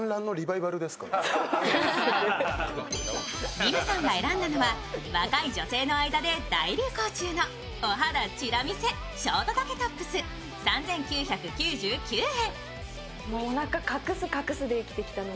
ＮＩＭＵさんが選んだのは、若い女性の間で大流行中のお肌チラ見せ、ショート丈トップス３９９９円。